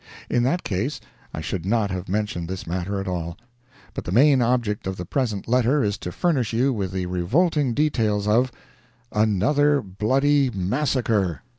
In that case, I should not have mentioned this matter at all. But the main object of the present letter is to furnish you with the revolting details of— ANOTHER BLOODY MASSACRE!